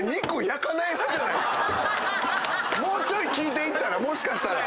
もうちょい聞いていったらもしかしたら。